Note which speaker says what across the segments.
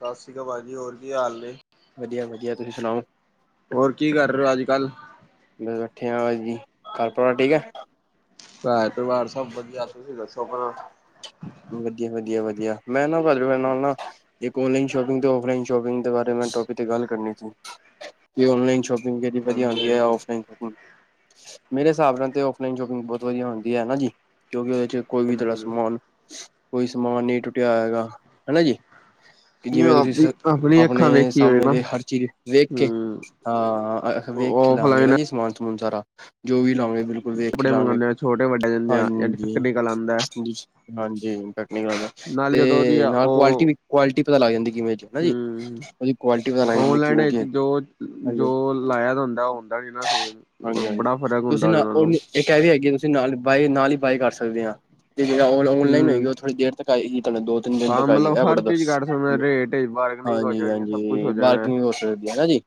Speaker 1: ਸਸ ਸ਼੍ਰੀ ਅਕਾਲ ਭਾਜੀ ਹੋਰ ਕੀ ਹਾਲ ਨੇ।
Speaker 2: ਵਧੀਆ-ਵਧੀਆ ਤੁਸੀਂ ਸੁਣਾਓ।
Speaker 1: ਹੋਰ ਕੀ ਕਰ ਰਹੇ ਓ ਅੱਜਕੱਲ੍ਹ?
Speaker 2: ਬਸ ਬੈਠੇ ਆ ਘਰ ਪਰਿਵਾਰ ਠੀਕ ਐ।
Speaker 1: ਘਰ ਪਰਿਵਾਰ ਸਭ ਵਧੀਆ ਤੁਸੀਂ ਦੱਸੋ ਆਪਣਾ?
Speaker 2: ਵਧੀਆ, ਵਧੀਆ, ਵਧੀਆ ਮੈਂ ਨਾ ਤੁਆਡੇ ਨਾਲ ਨਾ ਇੱਕ ਔਨਲਾਈਨ ਸ਼ੋਪਿੰਗ ਤੇ ਔਫਲਾਈਨ ਸ਼ੋਪਿੰਗ ਦੇ ਬਾਰੇ ਟੋਪਿਕ ਤੇ ਗੱਲ ਕਰਨੀ ਸੀ ਕਿ ਔਨਲਾਈਨ ਸ਼ੋਪਿੰਗ ਕੇੜੀ ਵਧੀਆ
Speaker 1: ਹਾਂਜੀ
Speaker 2: ਹੁੰਦੀ ਆ
Speaker 1: ਹਾਂਜੀ
Speaker 2: ਔਫਲਾਨ ਮੇਰੇ ਸਾਬ ਨਾਲ ਤੇ ਔਫਲਾਈਨ ਸ਼ੋਪਿੰਗ ਬਹੁਤ ਵਧੀਆ ਹੁੰਦੀ ਐ ਨਾ ਜੀ ਕਿਉਂਕਿ ਇਹਦੇ ਚ ਕੋਈ ਵੀ ਤੁਆਡਾ
Speaker 1: ਹਾਂਜੀ
Speaker 2: ਸਮਾਨ ਕੋਈ ਸਮਾਨ ਨੀ ਟੁੱਟਿਆ ਹੋਏਗਾ ਹੈਨਾ ਜੀ। ਕਿ ਜਿਵੇਂ ਤੁਸੀਂ
Speaker 1: ਆਪਣੀ ਅੱਖਾਂ
Speaker 2: ਆਪਣੇ
Speaker 1: ਵੇਖੀ ਹੋਏ
Speaker 2: ਸਾਹਮਣੇ
Speaker 1: ਨਾ
Speaker 2: ਦੇ ਹਰ ਚੀਜ਼ ਵੇਖ ਕੇ
Speaker 1: ਹੂੰ
Speaker 2: ਹਾਂ ਵੇਖ ਕੇ ਲਾਂਗੇ ਨਾ
Speaker 1: ਔਫਲਾਈਨ
Speaker 2: ਜੀ ਸਮਾਨ ਸਮੂਨ ਸਾਰਾ ਜੋ ਵੀ ਲਾ ਬਿਲਕੁਲ ਵੇਖ
Speaker 1: ਕੱਪੜੇ
Speaker 2: ਲਾਂਗੇ
Speaker 1: ਮੰਗਵਾਉਂਦੇ ਆ ਛੋਟੇ ਵੱਡੇ ਜਾਂਦੇ ਆ
Speaker 2: ਹਾਂਜੀ।
Speaker 1: ਨਿਕਲ ਆਉਂਦਾ
Speaker 2: ਹਾਂਜੀ ਟੈਕਨੀਕਲ।
Speaker 1: ਨਾਲੇ ਜਦੋਂ ਉਹਦੀ
Speaker 2: ਤੇ
Speaker 1: ਆ
Speaker 2: ਨਾਲ ਕੁਆਲਿਟੀ
Speaker 1: ਉਹ
Speaker 2: ਵੀ ਕੁਆਲਿਟੀ ਪਤਾ ਲੱਗ ਜਾਂਦੀ ਕਿਵੇਂ ਹਨਾ ਜੀ। ਕੁਆਲਿਟੀ ਪਤਾ ਲੱਗ ਜਾਂਦੀ
Speaker 1: ਓਨਲਾਈਨ
Speaker 2: ਕਿਵੇਂ ਕੀ
Speaker 1: ਵਿੱਚ
Speaker 2: ਹੈਗੀ ਹਾਂਜੀ
Speaker 1: ਜੋ ਲਾਇਆ ਤਾਂ ਹੁੰਦਾ-ਹੁੰਦਾ ਨੀ ਨਾ ਸੇਮ।
Speaker 2: ਹਾਂਜੀ, ਹਾਂਜੀ
Speaker 1: ਬੜਾ ਫ਼ਰਕ
Speaker 2: ਤੁਸੀਂ
Speaker 1: ਹੁੰਦਾ ਉਹਦੇ
Speaker 2: ਨਾ ਓ
Speaker 1: ਨਾਲੋਂ
Speaker 2: ਇੱਕ ਐ ਵੀ ਹੈਗੀ ਆ ਤੁਸੀਂ ਨਾਲ ਬਾਏ ਨਾਲ ਹੀ ਬਾਏ ਕਰ ਸਕਦੇ ਆ ਤੇ ਜੇੜਾ ਔਨਲਾਈਨ ਹੋਏਗੀ
Speaker 1: ਹੂੰ
Speaker 2: ਓਥੋੜ੍ਹੀ ਦੇਰ ਤੱਕ। ਆਏ ਹੀ ਚੱਲਣ ਦੋ। ਤਿੰਨ-ਦਿਨ
Speaker 1: ਹਾਂ
Speaker 2: ਤੱਕ ਆਗੀ।
Speaker 1: ਮਤਲਬ ਹਰ ਚੀਜ਼ ਕਰ ਸਕਦੇ ਰੇਟ ਵਿੱਚ ਬਾਰਗਨਿੰਗ ਹੋ ਜਾਣੀ ਸਭ ਕੁਛ ਹੋ
Speaker 2: ਹਾਂਜੀ-ਹਾਂਜੀ
Speaker 1: ਜਾਣਾ
Speaker 2: ਬਾਰਕਿੰਗ ਹੋ ਸਕਦੀ ਜੀ।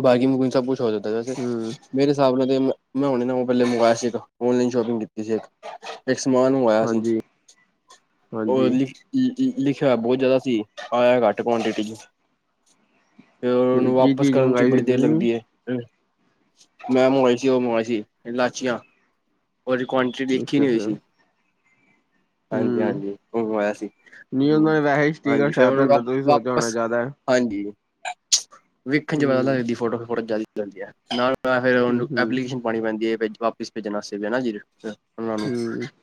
Speaker 2: ਬਾਰਕਿੰਗ ਬੂਕਿੰਗ ਸਭ ਕੁਛ ਹੋ ਜਾਂਤਾ ਵੈਸੇ
Speaker 1: ਹੂੰ
Speaker 2: ਮੇਰੇ ਹਿਸਾਬ ਨਾਲ ਮੈਂ ਹੁਣੇ ਨਾ ਪੈਲੇ ਮੰਗਾਇਆ ਸੀ ਇੱਕ ਔਨਲਾਈਨ ਸ਼ੋਪਿੰਗ ਕੀਤੀ ਸੀ ਇੱਕ ਇੱਕ ਸਮਾਨ ਆਇਆ ਸੀ
Speaker 1: ਹਾਂਜੀ
Speaker 2: ਉਹ
Speaker 1: ਹਾਂਜੀ,
Speaker 2: ਲਿ ਲਿਖਿਆ ਹੋਇਆ ਬੋਤ ਜ਼ਿਆਦਾ ਸੀ ਆਇਆ ਘੱਟ ਕੁਆਂਟਿਟੀ ਚ ਫੇਰ ਓਨੂੰ
Speaker 1: ਕੀ
Speaker 2: ਵਾਪਸ
Speaker 1: ਚੀਜ਼
Speaker 2: ਕਰਨ ਚ
Speaker 1: ਮੰਗਾਈ ਸੀ
Speaker 2: ਬੜੀ ਦੇਰ
Speaker 1: ਤੁਸੀਂ?
Speaker 2: ਲੱਗਦੀ ਐ। ਮੈਂ ਮਗਵਾਈ ਸੀ ਓ ਮੰਵਾਈ ਸੀ ਇਲੈਚੀਆਂ। ਓਹਦੀ ਕੁਆਂਟੀ ਦੇਖੀ ਨੀ ਹੋਈ
Speaker 1: ਅੱਛਾ-ਅੱਛਾ,
Speaker 2: ਸੀ
Speaker 1: ਹੂੰ।
Speaker 2: ਹਾਂਜੀ-ਹਾਂਜੀ ਉਹੋ ਆਇਆ ਸੀ
Speaker 1: ਨਹੀਂ ਉਹਨਾਂ ਨੇ ਵੈਸੇ ਹੀ ਸਟੀਕਰ
Speaker 2: ਹਾਂਜੀ ਫੇਰ
Speaker 1: ਸਾਹਿਬ
Speaker 2: ਓਨੂੰ
Speaker 1: ਪੈਂਦਾ
Speaker 2: ਵ
Speaker 1: ਤੁਸੀਂ ਸੋਚਿਆ ਹੋਣਾ
Speaker 2: ਵਾਪਸ
Speaker 1: ਜ਼ਿਆਦਾ ਹੂੰ।
Speaker 2: ਹਾਂਜੀ ਵੇਖਣ ਚ ਪਤਾ ਲੱਗਦਾ
Speaker 1: ਹੂੰ-ਹੂੰ,
Speaker 2: ਫੋਟੋ ਤੋ ਫੋਟੋ ਜ਼ਿਆਦੀ ਹੈ ਨਾਲ ਤਾਂ ਫੇਰ ਉਹਨੂੰ
Speaker 1: ਹੂੰ
Speaker 2: ਐਪਲੀਕੇਸ਼ਨ ਪਾਂਣੀ ਪੈਂਦੀ ਐ ਵਾਪਿਸ ਭੇਜਣ ਆਸਤੇ ਵੀ ਐ ਨਾ ਜੀ। ਓਨਾ ਨੁੰ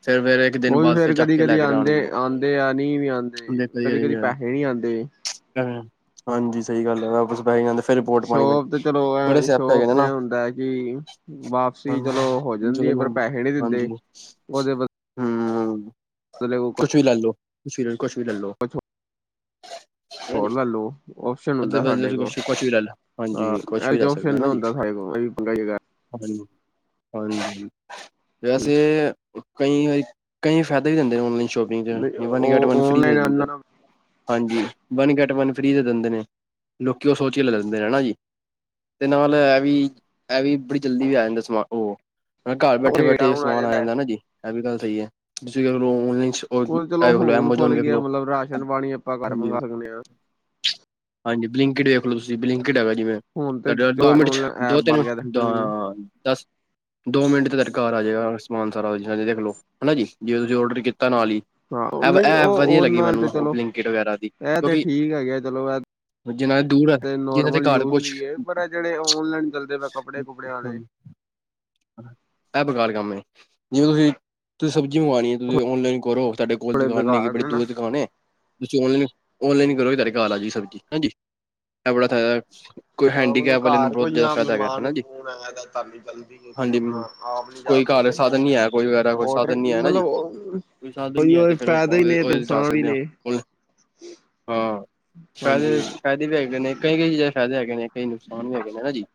Speaker 2: ਫੇਰ ਮੇਰੇ
Speaker 1: ਓ ਵੀ ਫੇਰ ਕਦੀ-ਕਦੀ ਆਂਦੇ-ਆਂਦੇ ਆ ਨਈ ਵੀ ਆਂਦੇ
Speaker 2: ਦੇਖੋ
Speaker 1: ਕਦੀ-ਕਦੀ
Speaker 2: ਜੀ।
Speaker 1: ਪੈਸੇ ਨੀ ਆਂਦੇ।
Speaker 2: ਹਾਂਜੀ ਸਈ ਗੱਲ ਐ ਵਾਪਸ ਪੈ ਜਾਂਦੇ। ਫੇਰ ਰਿਪੋਰਟ ਪਾਣੀ
Speaker 1: ਸ਼ੋਪ ਤੇ
Speaker 2: ਪਏ
Speaker 1: ਚਲੋ
Speaker 2: ਬੜੇ
Speaker 1: ਐ
Speaker 2: ਸਿਆਪੇ ਹੈਗੇ
Speaker 1: ਸ਼ੋਪ
Speaker 2: ਨੇ
Speaker 1: ਤੇ
Speaker 2: ਨਾ
Speaker 1: ਹੁੰਦਾ ਹੈ ਕਿ ਵਾਪਸੀ ਚਲੋ
Speaker 2: ਜਦੋਂ ਹਾਂਜੀ।
Speaker 1: ਵਧੀਆ ਵ
Speaker 2: ਹੂੰ- ਹੂੰੰ।
Speaker 1: [inaudible]
Speaker 2: ਕੁਛ ਵੀ ਲੈਲੋ ਕੁਛ ਵੀ, ਕੁਛ ਵੀ ਲੈਲੋ।
Speaker 1: ਹੋਰ ਲੈਲੋ ਔਪਸ਼ਨ ਹੁੰਦਾ, ਸਾਡੇ
Speaker 2: ਤੁਸੀਂ
Speaker 1: ਕੋਲ
Speaker 2: ਕੁਛ ਕੁਛ ਵੀ ਲੈ ਲੋ ਹਾਂਜੀ ਕੁਛ
Speaker 1: ਐਹੋ
Speaker 2: ਵੀ
Speaker 1: ਜਾ ਔਪਸ਼ਨ ਨੀ ਹੁੰਦਾ ਸਾਡੇ ਕੋਲ [inaudible]
Speaker 2: ਹਾਂਜੀ-ਹਾਂਜੀ ਵੈਸੇ ਕਈ, ਕਈ ਫੈਦੇ ਵੀ ਹੁੰਦੇ ਨੇ ਔਨਲਾਈਨ ਸ਼ੋਪਿੰਗ 'ਚ ਵਨ ਗੈਟ
Speaker 1: ਉਹ
Speaker 2: ਵਨ ਫ੍ਰਰੀ
Speaker 1: ਔਨਲਾਈਨ
Speaker 2: ਦ ਹਾਂਜੀ ਵਨ ਗੈਟ ਵਨ ਫ੍ਰਰੀ ਦੇ ਦਿੰਦੇ ਨੇ ਲੋਕੀ ਓ ਸੋਚਕੇ ਲੈ ਲੈਂਦੇ ਨੇ ਹਨਾ ਜੀ। ਤੇ ਨਾਲ ਐ ਵੀ ਐ ਵੀ ਬੜੀ ਜਲਦੀ ਆ ਜਾਂਦਾ ਸਮਾਨ ਓ। ਘਰ
Speaker 1: ਉਹ
Speaker 2: ਬੈਠੇ
Speaker 1: ਰੇਟ
Speaker 2: -ਬੈਠੇ
Speaker 1: ਡਾਊਨ
Speaker 2: ਸਮਾਨ ਆ
Speaker 1: ਹੈ।
Speaker 2: ਜਾਂਦਾ ਨਾ ਜੀ, ਇਹ ਵੀ ਗੱਲ ਸਹੀ ਹੈ ਤੁਸੀਂ ਆਨਲਾਈਨ, ਉਹ
Speaker 1: ਚਲੋ
Speaker 2: ਵੇਖ ਲੋ
Speaker 1: ਹੁਣ ਖੁੱਲ
Speaker 2: ਐਮਾਜ਼ੋਨ ਵੇਖ
Speaker 1: ਗਿਆ
Speaker 2: ਲੋ
Speaker 1: ਮਤਲਬ ਰਾਸ਼ਨ ਪਾਣੀ ਆਪਾਂ ਘਰ
Speaker 2: ਹਾਂਜੀ।
Speaker 1: ਮੰਗਵਾ ਸਕਦੇ ਹਾਂ।
Speaker 2: ਹਾਂਜੀ ਬਲਿੰਕਟ ਵੇਖ ਲੋ ਤੁਸੀਂ ਬਲਿੰਕਟ ਹੈਗਾ ਜਿਵੇਂ,
Speaker 1: ਹੁਣ ਤੇ
Speaker 2: ਤੁਹਾਡੇ ਦੋ ਮਿੰਟ ਚ,
Speaker 1: ਆਨਲਾਈਨ ਐਪ
Speaker 2: ਦੋ
Speaker 1: ਬਣ
Speaker 2: ਤਿੰਨ
Speaker 1: ਗਿਆ
Speaker 2: ਦ
Speaker 1: ਹੂੰ
Speaker 2: ਦਸ ਦੋ ਮਿੰਟ ਤੇ ਤੁਹਾਡੇ ਘਰ ਆ ਜਾਏਗਾ ਸਮਾਨ ਸਾਰਾੇ ਦੇਖ ਲਓ ਹਨਾ ਜੀ ਜੇ ਤੁਸੀਂ ਔਡਰ ਕੀਤਾ ਨਾਲ ਹੀ।
Speaker 1: ਹਾਂ
Speaker 2: ਇਹ
Speaker 1: ਨਹੀਂ
Speaker 2: ਇਹ
Speaker 1: ਉਹ
Speaker 2: ਵਧੀਆ
Speaker 1: ਉਹਦੇ
Speaker 2: ਲੱਗੀ
Speaker 1: ਨਾਲ
Speaker 2: ਮੈਨੂੰ
Speaker 1: ਤੇ
Speaker 2: ਉਹ
Speaker 1: ਚਲੋ,
Speaker 2: ਬਲਿੰਕਟ ਵਗੈਰਾ ਦੀ
Speaker 1: ਇਹ ਤੇ
Speaker 2: ਕਿਉਂਕਿ
Speaker 1: ਠੀਕ ਹੈਗੇ ਚਲੋ।
Speaker 2: ਜਿਨਾਂ ਦੇ ਦੂਰ
Speaker 1: ਤੇ
Speaker 2: ਜਿਨਾਂ ਦੇ
Speaker 1: ਨੋਰਮਲ
Speaker 2: ਘਰ
Speaker 1: ਯੂਜ
Speaker 2: ਕੁਛ
Speaker 1: ਵੀ ਹੈ ਪਰ ਜਿਹੜੇ ਓਨਲਾਈਨ ਚੱਲਦੇ ਪਏ ਕੱਪੜੇ- ਕੁਪੜਿਆਂ ਵਾਲੇ।
Speaker 2: ਇਹ ਬੇਕਾਰ ਕੰਮ ਹੈ ਜਿਵੇਂ ਤੁਸੀਂ ਤੁਸੀਂ ਸਬਜ਼ੀ ਮੰਗਵਾਉਣੀ ਹੈ ਤੁਸੀਂ ਔਨਲਾਈਨ ਕਰੋ ਤੁਹਾਡੇ ਕੋਲ। ਕੋਲ
Speaker 1: ਬੜੇ
Speaker 2: ਦਕਾਨ ਨੀ ਹੈਗੀ
Speaker 1: ਬੇਕਾਰ
Speaker 2: ਬੜੀ
Speaker 1: ਨੇ ਨਾ।
Speaker 2: ਦੂਰ ਦੁਕਾਨ ਹੈ, ਤੁਸੀਂ ਔਈ ਨਲਾਈਨ ਕਰੋਗੇ ਤੁਹਾਡੇ ਘਰ ਆ ਜਾਈ ਸਬਜ਼ੀ ਹਾਂਜੀ। ਇਹ ਬੜਾ ਫਾਇਦਾ, ਕੋਈ ਹੈਂਡੀਕੈਪ ਵਾਲੇ ਨੂੰ ਬਹੁਤ ਜ਼ਿਆਦਾ ਫਾਇਦਾ ਹੈਗਾ ਹਨਾ ਜੀ,
Speaker 1: [unintelligible] ਅਕਾਲੀ ਦਲ,
Speaker 2: ਹਾਂਜੀ ਮੈਡਮ, ਕੋਈ ਘਰ ਸਾਧਨ ਨੀ ਹੈ, ਕੋਈ ਵਗੈਰਾ ਕੋਈ
Speaker 1: ਔਡਰ
Speaker 2: ਸਾਧਨ ਨੀ ਹੈ, ਜੀ।
Speaker 1: ਮਤਲਬ
Speaker 2: ਕੋਈ ਸਾਧਨ ਨੀ ਹੈ
Speaker 1: ਉਹੀ
Speaker 2: ਤੇ, ਫਿਰ
Speaker 1: ਫਾਇਦੇ ਹੀ ਨੇ ਤੇ
Speaker 2: ਉਹ ਜਾ
Speaker 1: ਨੁਕਸਾਨ ਵੀ
Speaker 2: ਸਕਦੇ ਆ,
Speaker 1: ਨੇ
Speaker 2: ਹਾਂ, ਸ਼ਾਇਦ,
Speaker 1: ਹਾਂਜੀ।
Speaker 2: ਫਾਇਦੇ ਵੀ ਹੈਗੇ ਨੇ ਕਈ -ਕਈ ਚੀਜ਼ਾ ਦੇ ਫਾਇਦੇ ਹੈਗੇ ਨੇ, ਕਈ ਨੁਕਸਾਨ ਵੀ ਹੈਗੇ ਨੇ, ਹਨਾ ਜੀ।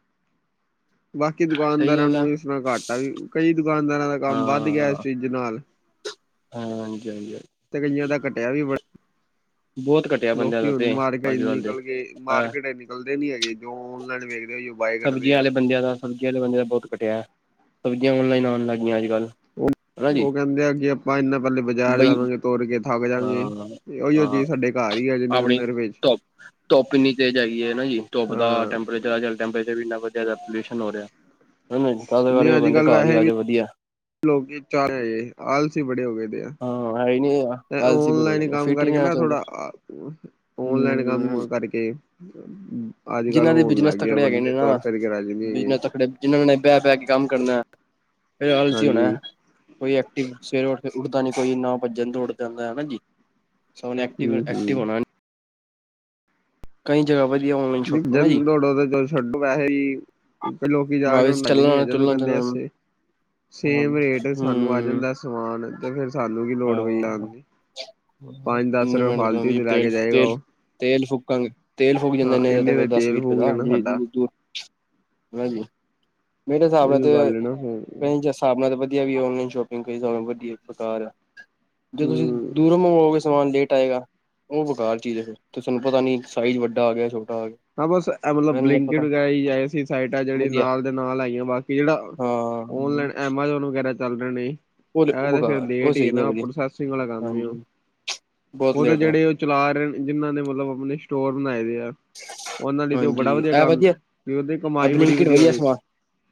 Speaker 1: ਬਾਕੀ
Speaker 2: ਸਹੀ
Speaker 1: ਦੁਕਾਨਦਾਰਾਂ
Speaker 2: ਗੱਲ ਹੈ
Speaker 1: ਨੂੰ ਇਸ ਨਾਲ ਘਾਟਾ ਆ ਵੀ ਕਈ ਦੁਕਾਨਦਾਰਾਂ ਦਾ ਕੰਮ ਵੱਧ ਗਿਆ, ਇਸ ਚੀਜ਼ ਦੇ ਨਾਲ
Speaker 2: ਹਾਂ ਹਾਂਜੀ -ਹਾਂਜੀ
Speaker 1: ਤੇ ਕਈਆਂ ਦਾ ਘਟਿਆ ਵੀ ਬੜਾ,
Speaker 2: ਬਹੁਤ ਘੱਟ,
Speaker 1: ਲੋਕੀ ਹੁਣ ਮਾਰਕੀਟ ਨਿਕਲਦੇ ਗ
Speaker 2: ਅਹ
Speaker 1: ਮਾਰਕੀਟ ਨਿਕਲਦੇ ਨੀ ਹੈਗੇ, ਜੋ ਔਨਲਾਇਨ ਵੇਖਦੇ ਬਾਏ
Speaker 2: ਸਬਜ਼ੀਆਂ
Speaker 1: ਕਰਦੇ ਆ।
Speaker 2: ਵਾਲੇ ਬੰਦਿਆਂ ਦਾ ਸਬਜ਼ੀਆਂ ਵਾਲੇ ਬੰਦੇ ਦਾ ਬਹੁਤ ਘਟਿਆ, ਸਬਜ਼ੀਆਂ ਔਨਲਾਈਨ ਆਉਣ ਲੱਗ ਗਈਆਂ ਅੱਜ -ਕੱਲ੍ਹ,
Speaker 1: ਉਹ ਕਹਿੰਦੇ ਆ, ਕਿ ਆਪਾਂ ਇਨਾ ਪਹਿਲੇ ਬਾਜ਼ਾਰ
Speaker 2: ਬਈ
Speaker 1: ਜਾਵਾਂਗੇ ਤੋਰ ਕੇ ਥੱਕ ਜਾਗੇ,
Speaker 2: ਹਾਂ
Speaker 1: ਉਹੀਓ
Speaker 2: ਹਾਂ
Speaker 1: ਚੀਜ਼ ਸਾਡੇ ਘਰ ਹੀ ਆ ਜਨੀ
Speaker 2: -ਹਾਂਆਪਣੀ
Speaker 1: ਉਨਰ ਵਿੱਚ
Speaker 2: ਧੁਪ- ਧੁੱਪ ਇੰਨੀ ਤੇਜ਼ ਹੈਗੀਆਈ ਹੈ, ਨਾ ਜੀ। ਧੁੱਪ ਦਾ
Speaker 1: ਹਾਂ
Speaker 2: ਟੈਂਪਰੇਚਰ ਟੈਂਪਰੇਚਰ ਵੀ ਇੰਨਾ ਵਧੀਆ ਹਇਆ, ਪੋਲਿਊਸ਼ਨ ਹੋ ਰਿਹਾ ਹਨਾ, ਤਦ ਕਰਕੇ
Speaker 1: ਨਹੀਂ
Speaker 2: ਉਹ
Speaker 1: ਅੱਜ
Speaker 2: ਕਹਿੰਦੇ
Speaker 1: ਕੱਲ੍ਹ
Speaker 2: ਘਰ ਹੀ
Speaker 1: ਵੈਸੇ
Speaker 2: ਆ,
Speaker 1: ਵੀ
Speaker 2: ਜਾ ਵਧੀਆ।
Speaker 1: ਲੋਕੀ ਵਿਚਾਰੇ, ਆਲਸੀ ਬੜੇ ਹੋ ਗਏ ਦੇ ਆ,
Speaker 2: ਹਾਂ ਅ [unintelligible]
Speaker 1: ਤੇ ਓਨਲਾਈਨ ਕੰਮ ਕਰਕੇ ਨਾ ਥੋੜਾ, ਓਨਲਾਈਨ
Speaker 2: ਹੂੰ
Speaker 1: ਕੰਮ ਕਰਕੇ ਅੱਜ -ਕੱਲ
Speaker 2: ਜਿਹਨਾਂ ਦੇ
Speaker 1: ਉਹ ਹੋਣ
Speaker 2: ਬਿਜਨਸ
Speaker 1: ਲੱਗ ਗਿਆ,
Speaker 2: ਤਕੜੇ
Speaker 1: ਬੰਦੇ ਤੁਰ ਫਿਰ ਕੇ ਰਾਜੀ ਨਹੀਂ ਹੈਗੇ,
Speaker 2: ਜਿਂਨਾ ਨੇ ਬੈ- ਬੈ ਕੇ ਕੰਮ ਕਰਨਾ ਫਿਰ ਆਲਸੀ ਹੋਣਾ,
Speaker 1: ਹਾਂਜੀ
Speaker 2: ਕੋਈ ਐਕਟਿਵ ਸਵੇਰੇ ਉੱਠਕੇ, ਉੱਠਦਾ ਨੀ ਕੋਈ ਨੋ ਵੱਜਣ ਤੇ ਉੱਠ ਜਾਂਦਾ, ਹਾਂਜੀ ਸਗੋ ਐਕਟਿਵ
Speaker 1: ਹੂੰ
Speaker 2: -ਐਕਟਿਵ ਹੋਣਾ
Speaker 1: ਹੂੰ
Speaker 2: ਨਹੀ, ਕਈ ਜਗਾ ਵਧੀੱਆ ਵਾ,
Speaker 1: ਇੱਕ -ਦਮ ਦੋੜੋ ਦ ਛੱਡੋ ਵੈਸੇ ਹੀ, ਤੇ ਲੋਕੀ ਜਾ ਕੇ
Speaker 2: ਜੀ
Speaker 1: ਹੁਣ ਰਾਜੀ ਨਹੀ
Speaker 2: ਚੱਲਣਾ
Speaker 1: ਹੈਗੇ ਉਹ
Speaker 2: ਚੱਲਣਾ
Speaker 1: ਕਹਿੰਦੇ
Speaker 2: ਚੱਲਣਾ ਹੂੰ
Speaker 1: ਅਸੀ, ਸੇਮ ਰੇਟ ਸਾਨੂੰ ਆ
Speaker 2: ਹਾਂ
Speaker 1: ਜਾਂਦਾ ਸਮਾਨ, ਤੇ ਫਿਰ ਸਾਨੂੰ ਕੀ ਲੋੜ ਪਈ ਆਨ ਦੀ, ਪੰਜ -ਦਸ
Speaker 2: ਇੰਨੀ
Speaker 1: ਰੁਪਏ
Speaker 2: ਮਿਹਨਤ
Speaker 1: ਫਾਲਤੂ
Speaker 2: ਕਰਾਉਂਦੀ ਹੈ
Speaker 1: ਚ ਲੈ
Speaker 2: ਤੇਲ
Speaker 1: ਕੇ ਜਾਏਗਾ
Speaker 2: ਤੇਲ
Speaker 1: ਉਹ,
Speaker 2: ਤੇਲ ਫੂਕਾਂਗੇ ਤੇਲ ਫੂਕ ਜਾਂਦਾ
Speaker 1: ਹਾਂ
Speaker 2: ਇੇ,
Speaker 1: ਇੰਨੇ
Speaker 2: ਫਿਰ
Speaker 1: ਦਾ
Speaker 2: ਦਸ
Speaker 1: ਤੇਲ
Speaker 2: ਵੀਹ ਰੁਪਏ
Speaker 1: ਫੂਕ
Speaker 2: ਦਾ
Speaker 1: ਜਾਣਾ
Speaker 2: ਜਿਵੇ
Speaker 1: ਸਾਡਾ
Speaker 2: ਕੀ ਦੂਰ, ਹਾਂਜੀ, ਮੇਰੇ ਹਿਸਾਬ ਨਾਲ
Speaker 1: ਉਹੀ
Speaker 2: ਤੇ
Speaker 1: ਗੱਲ ਹੈ ਨਾ ਹੂੰ
Speaker 2: ਕਈ, ਹਿਸਾਬ ਨਾਲ ਵਧੀਆ ਵੀ, ਔਨਲਾਈਨ ਸ਼ੋਪਿੰਗ ਕਈ ਹਿਸਾਬ ਨਾਲ ਵਧੀਆ ਬੇਕਾਰ ਆ, ਜੇ ਤੁਸੀਂ,
Speaker 1: ਹੂੰ
Speaker 2: ਦੂਰੋ ਮੰਗਵਾਓਗੇ ਸਮਾਨ ਲੇਟ ਆਏਗਾ, ਉਹ ਬਕਾਰ ਚੀਜ਼ ਆ, ਤੇ ਸਾੰਨੂ ਪਤਾ ਨਹੀਂ ਸਾਈਜ਼ ਵੱਡਾ ਆ ਗਿਆ, ਛੋਟਾ ਆ ਗਿਆ,
Speaker 1: ਨਾ ਬਸ ਐ ਮਤਲਬ
Speaker 2: ਮੈਨੂੰ
Speaker 1: ਬਲਿੰਕਟ
Speaker 2: ਪਤਾ
Speaker 1: ਵਗੈਰਾ, ਸਾਈਟ ਆ ਜਿਹੜੀ
Speaker 2: ਵਧੀਆ
Speaker 1: ਨਾਲ ਦੇ ਨਾਲ ਆਈਆਂ, ਬਾਕੀ ਜਿਹੜਾ
Speaker 2: ਹਾਂ
Speaker 1: ਓਨਲਾਈਨ, ਐਮਾਜੋਨ ਵਗੈਰਾ ਚੱਲ ਰਹੇ ਨੇ,
Speaker 2: ਉਹ
Speaker 1: ਏ ਤੇ ਫੇਿਰ
Speaker 2: ਬੇਕਾਰ ਉਹ
Speaker 1: ਲੇਟ ਹੀ
Speaker 2: ਸਹੀ ਨੀ
Speaker 1: ਨਾ,
Speaker 2: ਵਧੀਆ
Speaker 1: ਪ੍ਰੋਸੈਸਿੰਗ ਵਾਲਾ ਕੰਮ ਹੀ ਉਹ
Speaker 2: ਹਾਂਜੀ ਬਹੁਤ
Speaker 1: ਉਹਦੇ
Speaker 2: ਲੇਟ ਆ
Speaker 1: ਜਿਹੜੇ, ਚਲਾ ਰਹੇ, ਜਿਨਾਂ ਨੇ ਮਤਲਬ ਆਪਣੇ ਸਟੋਰ ਬਣਾਏ ਦੇ ਆ ਉਹਨਾਂ ਲਈ ਤੇ ਉਹ ਬੜਾ
Speaker 2: ਹਾਂਜੀ
Speaker 1: ਵਧੀਆ
Speaker 2: ਇਹ
Speaker 1: ਕੰਮ ਸੀ, ਉਹਦੀ ਕਮਾਈ ਬੜੀ
Speaker 2: ਬਲਿੰਕਟ
Speaker 1: ਵਧੀਆ ਉਹਦੇ 'ਚ
Speaker 2: ਸਮਾਨ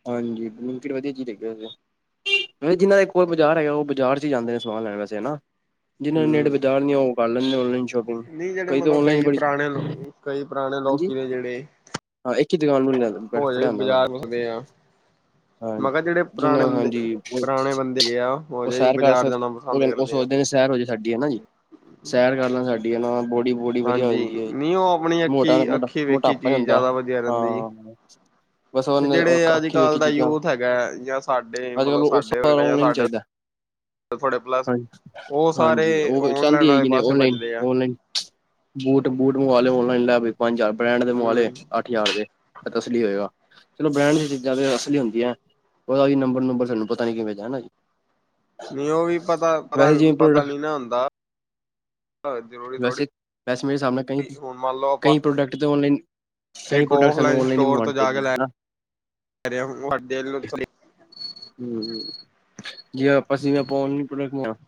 Speaker 2: ਹਾਂਜੀ, ਬਲਿੰਕਿਟ ਵਧੀਆ ਚੀਜ਼ ਹੈਗੀ ਏ ਉਹਦੇ ਨਾਲ ਇੱਕ ਬਾਜ਼ਾਰ ਹੈਗਾ ਉਹ, ਬਾਜ਼ਾਰ 'ਚ ਹੀ ਜਾਂਦੇ ਨੇ ਸਮਾਨ ਲੈਣ ਵੈਸੇ ਹਨਾ ਜਿਹਨਾਂ ਨੇੜੇ
Speaker 1: ਹੂੰ
Speaker 2: ਬਾਜ਼ਾਰ ਨੀ ਉਹ ਕਰ ਲੈਂਦੇ ਔਨਲਾਈਨ ਸ਼ੋਪਿੰਗ,
Speaker 1: ਨਹੀਂ ਜਿਹੜੇ
Speaker 2: ਕਈ ਤਾਂ
Speaker 1: ਮਤਲਬ
Speaker 2: ਔਨਲਾਈਨ ਬੜੀ
Speaker 1: ਪੁਰਾਣੇ ਕਈ ਪੁਰਾਣੇ ਲੋਕ ਜਿਹੜੇ-ਜਿਹੜੇ
Speaker 2: ਹ ਇੱਕ ਦੁਕਾ [unintelligible] ਨ ਨੂੰ ਮ ਜਾਂਦਾ
Speaker 1: ਹੋ ਜਾਏ, ਬਾਜ਼ਾਰ ਪੁੱਛਦੇ ਆ ਮੈਂ ਕਿਹਾ,
Speaker 2: ਹਾਂਜੀ
Speaker 1: ਜਿਹੜੇ ਪੁਰਾਣੇ
Speaker 2: ਜਿਨਾਂ
Speaker 1: ਬੰਦੇ,
Speaker 2: ਹਾਂਜੀ ਉਹ
Speaker 1: ਪੁਰਾਣੇ ਬੰਦੇ ਗਏ ਆ, ਉਹ ਜ
Speaker 2: ਸੈਰ ਕਰ
Speaker 1: ਬਾਜ਼ਾਰ
Speaker 2: ਸਕ
Speaker 1: ਜਾਣਾ
Speaker 2: ਉਹ
Speaker 1: ਪਸੰਦ
Speaker 2: ਕਹਿੰਦੇ ਉਹ
Speaker 1: ਕਰਦੇ ਆ
Speaker 2: ਸੋਚਦੇ ਨੇ ਸੈਰ ਹੋ ਜਾਏ ਸਾਡੀ, ਹੈਨਾ ਜੀ, ਸੈਰ ਕਰ ਲੈਣ ਸਾਡੀ ਨਾ ਬੋਡੀ ਬੋਡੀ ਵਧੀਆ ਹੋ
Speaker 1: ਹਾਂਜੀ,
Speaker 2: ਜਾਂਦੀ ਹੈ
Speaker 1: ਨਹੀਂ ਉਹ ਆਪਣੀ ਅੱਖੀ,
Speaker 2: ਮੋਟਾ
Speaker 1: ਅੱਖੀ ਵੇਖੀ ਚੀਜ਼ ਜ਼ਿਆਦਾ ਵਧੀਆ ਰਹਿੰਦੀ ਜੀ
Speaker 2: ਅੱਛਾ ਬਸ ਉਹ
Speaker 1: ਤੇ
Speaker 2: ਨੇ
Speaker 1: ਜਿਹੜੇ ਅੱਜ
Speaker 2: ਆਖੀ
Speaker 1: ਕੱਲ੍ਹ
Speaker 2: ਵੇਖੀ
Speaker 1: ਦਾ
Speaker 2: ਚੀਜ਼ਾਂ,
Speaker 1: ਯੂਥ ਹੈਗਾ ਜਾਂ ਸਾਡੇ
Speaker 2: ਅੱਜ-
Speaker 1: ਮਤਲਬ
Speaker 2: ਕੱਲ ਉਸ
Speaker 1: ਸਾਡੇ
Speaker 2: ਨੀ
Speaker 1: ਵਰਗਾ ਜਾਂ
Speaker 2: ਆਉਣਾ
Speaker 1: ਸਾਡੇ
Speaker 2: ਚਾਹੀਦਾ
Speaker 1: ਥੋੜੇ ਪਲੱਸ
Speaker 2: ਹਾਂਜੀ,
Speaker 1: ਉਹ ਸਾਰੇ
Speaker 2: ਹਾਂਜੀ ਉਹ
Speaker 1: ਓਨਲਾਈਨ
Speaker 2: ਚਾਹੁੰਦੀ
Speaker 1: ਵਾਲੇ
Speaker 2: ਹੈਗੀ
Speaker 1: ਪਾਸੇ
Speaker 2: ਓਨਲਾਈਨ,
Speaker 1: ਭੱਜਦੇ ਆ
Speaker 2: ਓਨਲਾਈਨ ਬੂਟ ਬੂਟ ਮੰਗਵਾ ਲਓ ਹੁਣ ਪੰਜ ਲੈ, ਪੰਜ ਹਜ਼ਾਰ ਬ੍ਰੈਂਡ ਦੇ ਮੰਗਵਾ ਲੇ,
Speaker 1: ਹੂੰ
Speaker 2: ਅੱਠ ਹਜ਼ਾਰ ਦੇ ਤਸਲੀ ਹੋਏਗਾ ਚਲੋ ਬ੍ਰੈਂਡ ਦੀ ਚੀਜ਼ਾਂ ਤੇ ਅਸਲੀ ਹੁੰਦੀਆਂ, ਉਹ ਨੰਬਰ- ਨਬਰ ਤੁਹਾਨੂੰ ਪਤਾ ਨੀ ਕਿਵੇਂ
Speaker 1: ਨਹੀਂ ਉਹ ਵੀ ਪਤਾ, ਪਤਾ,
Speaker 2: ਵੈਸੇ ਜਿਵੇਂ
Speaker 1: ਪਤਾ
Speaker 2: ਪ੍ਰੋਡਕਟ
Speaker 1: ਨੀ ਨਾ ਹੁੰਦਾ ਹਾਂ ਜ਼ਰੂਰੀ ਥੋੜ੍ਹੀ
Speaker 2: ਵੈਸੇ ਵੈਸੇ ਮੇਰੇ ਸਾਹਮਣੇ ਕਈ
Speaker 1: ਹੁਣ ਮੰਨ ਲਓ ਆਪਾਂ
Speaker 2: ਕਈ ਪ੍ਰੋਡਕਟ ਓਨਲਾਈਨ, ਕਈ
Speaker 1: ਇੱਕ
Speaker 2: ਪ੍ਰੋਡਕਟ ਸਾਨੂੰ
Speaker 1: ਔਫਲਾਈਨ
Speaker 2: ਓਨਲਾਈਨ ਹੀ ਮੰਗਵਾਉਣੇ ਚਾਹੀਦੇ ਹਨ
Speaker 1: ਸਾਨੂੰ ਵੱਡੇ ਨੂੰ ਤੁਥੜੀ
Speaker 2: ਹਮ ਜਿਵੇਂ ਸੀ ਪਾਉਣ ਪੜਿਆ [unintelligible]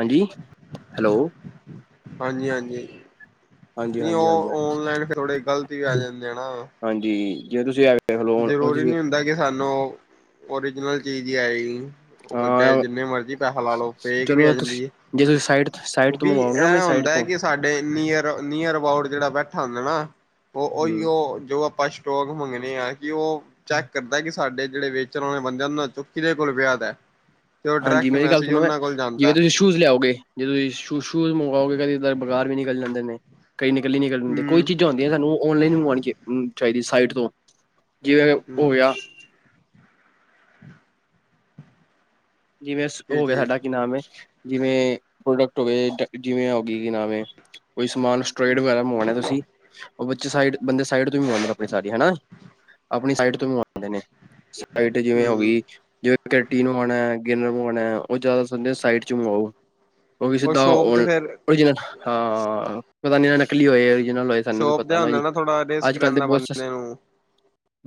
Speaker 2: ਹਾਂਜੀ, ਹੈਲੋ
Speaker 1: ਹਾਂਜੀ- ਹਾਂਜੀ
Speaker 2: ਹਾਂਜੀ
Speaker 1: ਨਹੀਂ
Speaker 2: ਹਾਂਜੀ
Speaker 1: ਉਹ
Speaker 2: ਹਾਂਜੀ ਹਾਂਜੀ।
Speaker 1: ਓਨਲਾਈਨ ਥੋੜੇ ਗ਼ਲਤ ਹੀ ਆ ਜਾਂਦੇ ਆ ਨਾ
Speaker 2: ਹਾਂਜੀ, ਜੇਵੇਂ ਤੁਸੀਂ ਆ
Speaker 1: ਜ਼ਰੂਰੀ ਨੀ ਹੁੰਦਾ ਕਿ ਸਾਨੂੰ, ਓਰੀਜਨਲ ਚੀਜ਼ ਹੀ ਆਏਗੀ ਉਹ ਚਾਹੇ
Speaker 2: ਹਾਂ
Speaker 1: ਜਿੰਨੇ ਮਰਜੀ ਪੈਸਾ ਲਾ ਲੋ, ਫੇਕ ਵੀ ਆ
Speaker 2: ਚਲੋ ਤੁਸੀਂ
Speaker 1: ਜਾਂਦੀ ਹੈ,
Speaker 2: ਜੇ ਤੁਸੀਂ ਸਾਈਟ ਸਾਈਟ ਤੋਂ
Speaker 1: ਕਿਉਂਕਿ
Speaker 2: ਮੰਗਵਾਓਗੇ ਨਾ ਆਪਣੀ
Speaker 1: ਇਹ
Speaker 2: ਸਾਈਟ
Speaker 1: ਹੁੰਦਾ
Speaker 2: ਤੋਂ
Speaker 1: ਕਿ ਸਾਡੇ ਨੀਅਰ, ਨੀਅਰ ਅਬਾਊਟ ਜਿਹੜਾ ਬੈਠਾ ਹੁੰਦਾ ਨਾ, ਉਹ ਉਹੀ
Speaker 2: ਹੂੰ।
Speaker 1: ਓ ਜੋ ਪੇਸ਼ ਸਟੋਕ ਮੰਗਣੇ ਆ, ਕਿ ਉਹ ਚੈੱਕ ਕਰਦਾ ਕਿ ਸਾਡੇ ਜਿਹੜੇ ਵੇਚਣ ਵਾਲੇ ਬੰਦੇ, ਉਹ ਚੁ ਕਿਹਦੇ ਕੋਲ ਵਿਆਹਦ ਹੈ
Speaker 2: ਹਾਂਜੀ, ਮੇਰੀ ਗੱਲ ਸੁਣੋਗੇ,
Speaker 1: ਜਾਂਦਾ
Speaker 2: ਜਿਵੇਂ ਤੁਸੀਂ ਸ਼ੂਜ ਲਿਆਓਗੇ ਜਦੋਂ ਤੁਸੀਂ ਸ਼ੂਜ਼, ਸ਼ੂਜ਼ ਮੰਗਵਾਓਗੇ, ਕਦਾਰ ਬੇਗਰ ਵੀ ਨਿਕਲ ਜਾਂਦੇ ਨੇ, ਕਈ ਨਿਕਲ ਨਿਕਲਣਦੇ, ਕੋਈ
Speaker 1: ਹਮ
Speaker 2: ਚੀਜ਼ਾਂ ਹੁੰਆਂ। ਇਹ ਸਾਨੂੰ ਔਨਲਾਈਨ ਮੰਗਉਣੀ ਚਾਹੀਦੀ ਸਾਈਟ ਤੋਂ, ਜਿਵੇਂ ਹੋ
Speaker 1: ਹਮ
Speaker 2: ਗਿਆ।
Speaker 1: [inaudible]
Speaker 2: ਜਿਵੇਂ
Speaker 1: ਇਹ
Speaker 2: ਹੋ ਗਿਆ
Speaker 1: ਚੀਜ਼
Speaker 2: ਸਾਡਾ। ਕੀ ਨਾਮ ਹੈ, ਜਿਵੇਂ ਪ੍ਰੋਡਕਟ ਹੋਵੇ, ਜਿਵੇਂ ਹੋ ਗ, ਕਿ ਨਾਮ ਹੈ। ਕੋਈ ਸਮਾਨ ਸਟ੍ਰਟ ਵਗੈਰਾ ਮੌਨਾਨਾ ਤੁਸੀਂ। ਉਹ ਸਾਈਡ, ਬੰਦੇ ਸਾਈਡ ਤੋਂ ਮੰਗਵਾਉਂਦੇ ਆਪਣੀ ਸਾਰੀ ਹਨਾ, ਆਪਣੀ ਸਾਈਡ ਤੋਂ ਮੰਗਵਾਉਂਦੇ ਨੇ। ਸਾਈਟ ਜਿਵੇਂ ਹੋ
Speaker 1: ਹਮ
Speaker 2: ਗਈ, ਜਿਵੇਂ ਕਟੀ ਨੂੰ ਹਣਾ। ਗਿਨਰ ਮੰਗਵਾਉਣਾ, ਉਹ ਜ਼ਿਆਦਾ ਸਿੰਘ ਸਾਈਟ ' ਤੋਂ ਮੰਗਵਾਓ, ਉਹ ਕਿ ਸਿੱਧਾ
Speaker 1: ਸ਼ੋਪ
Speaker 2: ਔ।
Speaker 1: ਤੇ ਫੇਰ
Speaker 2: ਹਾਂ, ਪਤਾ ਨੀ ਨਾ ਨਕਲੀ ਹੋਏ, ਓਰੀਜਨਲ ਹੋਏ। ਸਾਨੂੰ ਕੀ
Speaker 1: ਸ਼ੋਪ ਤੇ
Speaker 2: ਪਤਾ ਨਾ
Speaker 1: ਹੁੰਦਾ
Speaker 2: ਜੀ,
Speaker 1: ਥੋੜਾ ਰਿਸਕ
Speaker 2: ਅੱਜ- ਕੱਲ੍ਹ ਤਾਂ
Speaker 1: ਰਹਿੰਦਾ
Speaker 2: ਬਹੁਤ ਸਸ।
Speaker 1: ਬੰਦੇ ਨੂੰ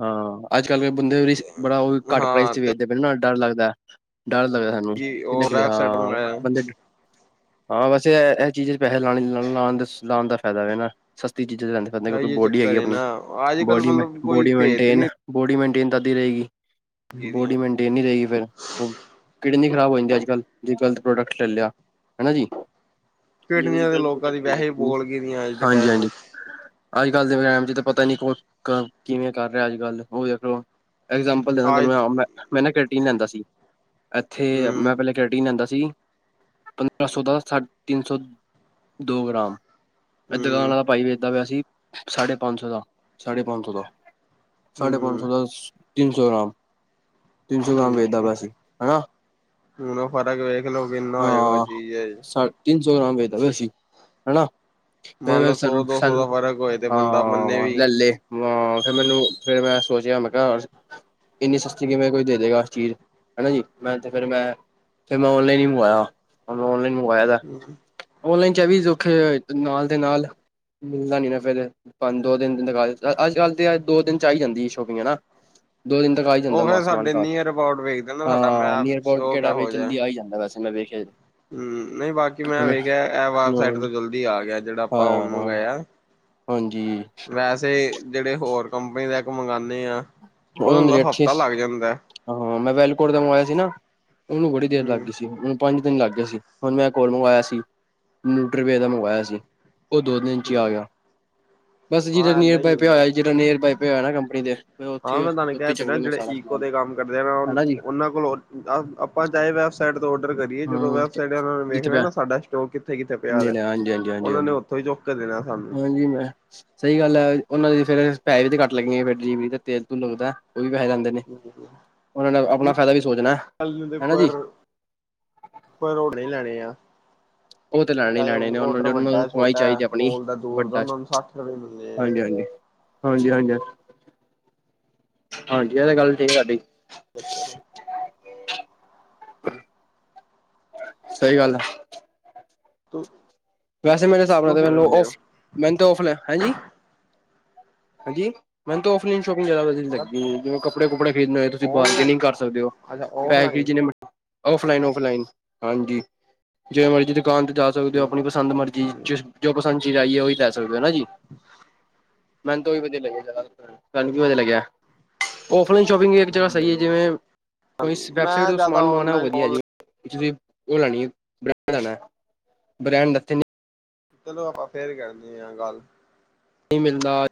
Speaker 2: ਹਾਂ, ਅੱਜ- ਕੱਲ੍ਹ ਬੰਦੇ, ਬੜਾ ਉਹ ਘੱਟ ਪ੍ਰਾਈਜ਼
Speaker 1: ਹਾਂ
Speaker 2: 'ਚ ਵੇਚਦੇ ਪਏ ਨਾ, ਡਰ ਲੱਗਦਾ, ਡਰ ਲੱਗਦਾ।
Speaker 1: ਤੇ
Speaker 2: ਕਿਥੇ
Speaker 1: ਉਹ
Speaker 2: ਚਲੀਏ,
Speaker 1: ਵੈਬਸਾਈਟ
Speaker 2: ਹਾਂ
Speaker 1: ਮੰਗਾਇਆ
Speaker 2: ਬੰਦੇ ਹਾਂ ਬਸ ਇਹ ਇਹ ਚੀਜ਼ਾਂ 'ਚ ਪੈਸੇ ਲਾ ਲਾ ਲਾਣ ਲਾਉਣ ਦਾ ਫਾਇਦਾ, ਇਹ ਨਾ ਸਸਤੀ ਚੀਜ਼ਾਂ 'ਚ ਲੈਂਦੇ। ਕਿਉਂਕਿ
Speaker 1: ਇਹ
Speaker 2: ਬੋਡੀ ਹੈਗੀ
Speaker 1: ਚੱਕਰ ਹੈ
Speaker 2: ਆਪਣੀ,
Speaker 1: ਨਾ ਅੱਜ ਕੱਲ
Speaker 2: ਬੋਡੀ-
Speaker 1: ਮਤਲਬ ਕੋਈ
Speaker 2: ਬੋਡੀ
Speaker 1: ਭੇਤ ਹੀ
Speaker 2: ਮੇਨਟੇਨ ਬੋਡੀ ਮੇਨਟੇਨ ਤਦੀ ਰਹੇਗੀ,
Speaker 1: ਨਹੀਂ ਦੀਆਂ
Speaker 2: ਬੋਡੀ ਮੇਨਟੇਨ ਨਹੀਂ ਰਹੇਗੀ ਫਿਰ ਕਿਡਨੀ ਖ਼ਰਾਬ ਹੋ ਜਾਂਦੀ ਅੱਜ ਕੱਲ, ਜ ਗ਼ਲਤ ਪ੍ਰੋਡਕਟ ਲੈ ਲਿਆ, ਹਨਾ ਜੀ। ਜ
Speaker 1: ਪਿੰਡਾਂ ਦੇ
Speaker 2: ਗਲਤ
Speaker 1: ਲੋਕਾਂ ਦੀ
Speaker 2: ਪ੍ਰੋਡਕਟ ਲੈ
Speaker 1: ਵੈਸੇ
Speaker 2: ਲਿਆ,
Speaker 1: ਬੋਲ ਗਈ ਦੀਆਂ ਅੱਜ ਦੇ
Speaker 2: ਹਾਂਜੀ
Speaker 1: ਟਾਈਮ
Speaker 2: ਹਾਂਜੀ।
Speaker 1: ਵਿੱਚ
Speaker 2: ਅੱਜ ਕੱਲ ਦੇ ਟੈਮ 'ਚ ਤਾਂ ਪਤਾ ਨੀ ਕਿਵੇਂ ਕਰ ਰਿਹਾ ਕੋਈ ਅੱਜ ਕੱਲ, ਉਹ ਦੇਖ ਐਗਜਾਪਂਲ ਦੇਂਦਾ
Speaker 1: ਅੱਜ
Speaker 2: ਹਾਂ, ਮੈਂ ਨਾ ਪ੍ਰੋਟੀਨ ਲੈਂਦਾ ਸੀ, ਇੱਥੇ
Speaker 1: ਹੂੰ
Speaker 2: ਮੈਂ ਪਹਿਲੇ ਰੈਟ ਲਿਆਂਦਾ ਸੀ, ਪੰਦਰਾਂ ਸੌ ਦਾ ਸਾਢੇ ਤਿੰਨ ਸੌ ਗ੍ਰਾਮ ਇਧਰ ਵਾਲਾ ਦੁਕਾਨ
Speaker 1: ਹੂੰ
Speaker 2: ਵਾਲਾ ਭਾਈ ਵੀ ਵੇਚਦਾਂ ਪਿਆ ਸੀ, ਸਾਢੇ ਪੰਜ ਸੌ ਦਾ, ਸਾਢੇ ਪੰਜ ਸੌ ਦਾ। ਸਾਢੇ ਪੰਜ ਸੌ
Speaker 1: ਹੂੰ
Speaker 2: ਦਾ ਤਿੰਨ ਸੌ ਗ੍ਰਾਮ, ਤਿੰਨ ਸੌ ਗ੍ਰਾਮ ਵੇਚਦਾ ਪ ਸੀ। ਹਨਾ
Speaker 1: ਨ ਫਰਕ ਵੇਖ ਲਓ, ਕਿਨਾ ਹੋਏਗਾ ਉਹ
Speaker 2: ਹਾਂ
Speaker 1: ਚੀਜ਼ 'ਚ
Speaker 2: ਸਾ ਤਿੰਨ ਸੌ ਗ੍ਰਾਮ ਵੇਚਤਾ ਪਿਆ ਸੀ, ਹਨਾ।
Speaker 1: ਮੰਨ ਲਓ ਸੌ
Speaker 2: ਸਨੂੰ
Speaker 1: ਦੋ ਸੌ
Speaker 2: ਸਨ,
Speaker 1: ਦਾ ਫ਼ਰਕ ਹੋਏ ਤੇ ਬੰਦਾ ਮੰਨੇ ਵੀ
Speaker 2: ਲੇ ਲੈ ਹਾਂ ਫਿਰ ਮੈਨੂੰ ਫਿਰ ਮੈਂ ਸੋਚਿਆ, ਮੈਂ ਕਿਹਾ ਇੰਨੀ ਸਸਤੀ ਕਿਵੇਂ ਕੋਈ ਦੇ ਦੇਗਾ ਉਸ ਚੀਜ਼। ਹਨਾ ਜੀ, ਮੈਂ ਤੇ ਫਿਰ, ਮੈਂ ਫਿਰ ਮੈਂ ੳਨਲਾਈਨ ਹੀ ਮੰਗਵਾਇਆ, ੳਨਲਾਈਨ ਮੰਗਵਾਇਆ ਤ ਔਨਲਾਈਨ 'ਚ ਆ ਵੀ ਸੌਖੇ, ਨਾਲ ਦੇ ਨਾਲ ਮਿਲਦਾ ਨੀ ਨਾ ਫਿਰ। ਪੰਜ ਦੋ ਦਿਨ, ਅੱਜ ਕੱਲ ਤੇ ਦੋ ਦਿਨ 'ਚ ਆਈ ਜਾਂਦੀ ਸ਼ੋਪਿੰਗ, ਹਨਾ ਦੋ ਦਿਨ ਤੱਕ ਆਏ,
Speaker 1: ਉਹ ਫੇਿਰ ਸਾਡੇ ਨਾਇਰ ਅਬੋਟ ਵੇਖਦੇ ਨਾ ਸਾਡਾ
Speaker 2: ਹਾਂ
Speaker 1: ਮੈਪ,
Speaker 2: ਨੀਅਰ ਅਬਾਊਟ
Speaker 1: ਉਹ
Speaker 2: ਕਿਹੜਾ ਵੇ
Speaker 1: ਕਿਹੋ ਜਿਹਾ।
Speaker 2: ਜਲਦੀ ਆ ਹੀ ਜਾਂਦਾ, ਵੈਸੇ ਮੈਂ ਵੇਖਿਆ।
Speaker 1: ਹਮ ਨਹੀਂ ਬਾਕੀ ਮੈਂ
Speaker 2: ਹਨਾ।
Speaker 1: ਵੇਖਿਆ, ਐਹ ਵੈਬਸਾਈਟ ਤੋਂ ਜਲਦੀ ਆ ਗਿਆ, ਜਿਹੜਾ ਆਪਾਂ ਹੁਣ
Speaker 2: ਹਾਂ
Speaker 1: ਮੰਗਾਇਆ।
Speaker 2: ਹਾਂਜੀ।
Speaker 1: ਵੈਸੇ ਜਿਹੜੇ ਹੋਰ ਕੰਪਨੀ ਦਾ ਇੱਕ ਮੰਗਵਾਉਦੇ ਆ,
Speaker 2: ਉਹਨਾਂ ਦੇ
Speaker 1: ਉਹਨੂੰ
Speaker 2: ਰੇਟ
Speaker 1: ਹਫਤਾ
Speaker 2: ਸੀ।
Speaker 1: ਲੱਗ ਜਾਂਦਾ ਹ।
Speaker 2: ਹਾਂ ਮੈਂ ਵੈਲਕੋਟ ਦਾ ਮੰਗਵਾਇਆ ਸੀ ਨਾ, ਉਹਨੂੰ ਬੜੀ ਦੇਰ ਲੱਗ
Speaker 1: ਹੂੰ
Speaker 2: ਗਈ ਸੀ। ਪੰਜ ਦਿਨ ਲੱਗ ਗਏ ਸੀ, ਹੁਣ ਮੈਂ ਇਕ ਹੋਰ ਮੰਗਵਾਇਆ ਸੀ, ਨੳਟਰੀ ਵੇ ਦਾ ਮੰਗਵਾਇਆ ਸੀ। ਉਹ ਦੋ ਦਿਨ 'ਚ ਹੀ ਆ
Speaker 1: ਹੂੰ,
Speaker 2: ਗਿਆ, ਬਸ ਜਿਹੜਾ
Speaker 1: ਹਾਂ
Speaker 2: ਨਿਅਰ
Speaker 1: ਏਦਾਂ ਹੀ
Speaker 2: ਬਾਈ ਪਿਆ
Speaker 1: ਹੁੰਦਾ।
Speaker 2: ਹੋਇਆ, ਜਿਹੜਾ ਨਰ ਬ ਪਿਆ ਹੋਏ ਨਾ ਕੰਪਨੀ ਦੇ
Speaker 1: ਹਾਂ
Speaker 2: ਉੱਥੇ
Speaker 1: ਮੈਂ ਤੁਹਾਨੂੰ
Speaker 2: ਉੱਥੇ
Speaker 1: ਕਹਿ ਰਿਹਾ,
Speaker 2: ਚੱਕਦੇ ਨੇ
Speaker 1: ਜਿਹੜੇ
Speaker 2: ਸਾਰਾ
Speaker 1: ਈਕੋ
Speaker 2: ਸਮਾਨ
Speaker 1: ਦੇ ਕੰਮ ਕਰਦੇ
Speaker 2: ਹਨਾ ਜੀ
Speaker 1: ਉਹਨਾਂ ਕੋਲੋਂ ਆਪਾਂ ਚਾਹੇ ਆਡਰ ਕਰੀਏ ਨਾ ਜਦੋਂ,
Speaker 2: ਹਾਂ
Speaker 1: ਵੈਬਸਟ ਨੇ
Speaker 2: ਜਿੱਥੇ
Speaker 1: ਵੇਖਣਾ
Speaker 2: ਪਿਆ
Speaker 1: ਨਾ ਸਾਾ ਸਟੋਕ ਕਿੱਥੇ -ਕਿੱਥੇ ਪਿਆ ਹੈ
Speaker 2: ਨੇੜੇ ਹਾਂਜੀ ਹਾਂਜੀ ਹਾਂਜੀ
Speaker 1: ਉਹਨਾਂ ਨੇ
Speaker 2: ਹਾਂਜੀ
Speaker 1: ੳ ਈ ਚੁੱਕ ਕੇ ਦੇ ਦੇਣਾ। ਸਾਨੂੰ।
Speaker 2: ਹਾਂਜੀ ਮੈਂ ਸਹੀ ਗੱਲ ਹੈ ਉਹਨਾਂ ਦੀ ਫੇਰ ਪੈਸੇ ਵੀ ਤਾਂ ਕੱਟ ਲੱਗਏ, ਫਿਰ ਤੇਲ ਤੁਲ ਵੀ ਲੱਗਦਾ, ਉਹ ਵੀ ਪੈੇਹੇ ਲੈਂਦੇ ਨੇ।
Speaker 1: ਜੀ।
Speaker 2: ਉਹਨਾਂ ਨੇ ਆਪਣਾ ਫਾਇਦਾ ਵੀ ਸੋਚਣਾ ਐ।
Speaker 1: ਕੱਲ ਨੂੰ ਦੇ ਉੱ, ਪਰਰ ਪਰ ਹੁਨੇ ਹੀ ਲੈਣੇ ਆ।
Speaker 2: ਉਹ ਤੇ ਲੈਣੇ ਹੀ
Speaker 1: ਚਾਏ
Speaker 2: ਲੈਣੇ
Speaker 1: ਉਹ
Speaker 2: ਨੇ ਉਹਨਾਂ
Speaker 1: ਔਡਰ
Speaker 2: ਉਹਨਾਂ
Speaker 1: ਵੱਡਾ
Speaker 2: ਨੂੰ
Speaker 1: ਹੈ,
Speaker 2: ਕਮਾਈ
Speaker 1: ਛੋਟਾ
Speaker 2: ਚਾਹੀਦੀ
Speaker 1: ਹੈ,
Speaker 2: ਆਪਣੀ
Speaker 1: ਕੋਲ ਦਾ, ਦੂਰ ਦਾ,
Speaker 2: ਵੱਡਾ ਚ।
Speaker 1: ਉਹਨਾਂ ਨੂੰ ਸੱਠ ਰੁਪਏ ਮਿਲਦੇ ਆ।
Speaker 2: ਹਾਂਜੀ ਹਾਂਜੀ ਹਾਂਜੀ ਹਾਂਜੀ, ਹਾਂਜੀ ਇਹ ਤਾਂ ਗੱਲ ਠੀਕ ਹਾਂ ਤਾਡੀ।
Speaker 1: ਅੱਛਾ।
Speaker 2: ਹਮ। ਸਹੀ ਗੱਲ ਆ। ਵੈਸੇ ਮੇਰੇ ਹਿਸਾਬ ਨਾਲ
Speaker 1: ਤੁਸੀਂ ਕਿਵੇਂ
Speaker 2: ਮੈਨੂੰ
Speaker 1: ਮਿਲਦੇ ਹੋ
Speaker 2: ਫ ਮੈਨੂੰ ਤਾਂ ਔਫ ਲੈਣ, ਹਾਂਜੀ ਹਾਂਜੀ, ਮੈਂਨੂੰ ਔਫਲਾਈਨ ਸ਼ੋਪਿੰਗ ਜਿਆਦਾ ਲੱਗ ਲੱਗੀ, ਜਿਵੇਂ ਕੱਪੜੇ ਕੁੱਪੜੇ ਖਰੀਦਣਾ ਹੋਏ ਤੁਸੀਂ
Speaker 1: ਔਨਲਾਈਨ
Speaker 2: ਬਾਰਗੇਨਿੰਗ ਕਰ ਸਕਦੇ ਹੋ,
Speaker 1: ਅੱਛਾ
Speaker 2: ਪੈਸੇ
Speaker 1: ਔਫਲਾਈਨ।
Speaker 2: ਜਿੰਨੇ ਮਰਜੀ ਔਫਲਾਈਨ -ਔਫਲਾਈਨ, ਹਾਂਜੀ ਜਿਵੇ ਮਰਜ਼ੀ ਦੁਕਾਨ ਤੇ ਜਾ ਸਕਦੇ ਹੋ। ਆਪਣੀ ਪਸੰਦ ਮਰਜ਼ੀ ਜੋ ਪਸੰਦ ਚੀਜ਼ ਆਈ ਐ, ਉਹੀ ਲੈ ਸਕਦੇ ਹੋ ਨਾ ਜੀ। ਮੈਨ ਤੋਂ ਉਹੀ ਵਧੀਆ ਲੱਗੇ [unintelligible] ਵੀ ਵਧੀਆ ਲੱਗਿਆ। ਔਫਲਾਈਨ ਸ਼ੋਪਿੰਗ ਇੱਕ ਜਗ੍ਹਾ ਸਹੀ ਐ
Speaker 1: ਹਾਂਜੀ-ਹਾਂਜੀ
Speaker 2: ਜਿਵੇਂ ਕੋਈ ਵੈੱਬਸਾਈਟ
Speaker 1: ਮੈਂ
Speaker 2: ਤੋਂ
Speaker 1: ਜ਼ਿਆਦਾ
Speaker 2: ਸਮਾਨ ਮੰਗਵਾਉਣਾ ਉਹ
Speaker 1: ਔਨਲਾਈਨ
Speaker 2: ਵਧੀਆ ਜੀ।
Speaker 1: ਔਨਲਾਈਨ
Speaker 2: ਤੁਸੀਂ ਉਹ ਲੈਣੀ ਬ ਲੈਣਾ। ਬ੍ਰੈਂਡੱਥੇ
Speaker 1: ਚਲੋ ਆਪਾਂ ਫੇਰ ਕਰਨੀ ਆਂ ਗੱਲ।
Speaker 2: ਨਈ ਮਿਲਦਾ।